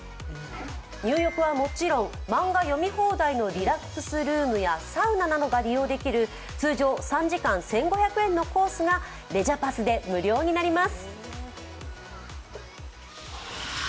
入浴はもちろん漫画読み放題のリラックスルームやサウナなどが利用できる、通常３時間１５００円のコースがレジャパス！で無料になります。